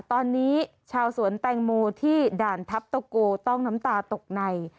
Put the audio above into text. ตอนนี้ชาวสวนแตงโมที่ด่านทัพตะโกต้องน้ำตาตกใน